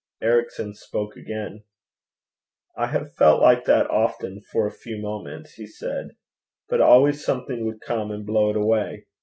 Ericson spoke again. 'I have felt like that often for a few moments,' he said; 'but always something would come and blow it away.